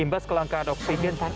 imbas ke langkah adoksigen